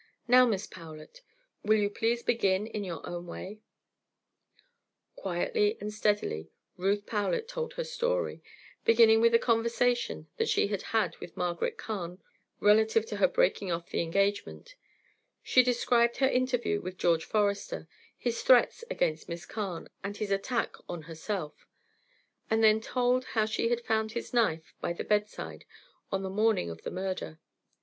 Now, Miss Powlett, will you please begin in your own way." Quietly and steadily Ruth Powlett told her story, beginning with the conversation that she had had with Margaret Carne relative to her breaking off the engagement; she described her interview with George Forester, his threats against Miss Carne and his attack on herself; and then told how she had found his knife by the bedside on the morning of the murder.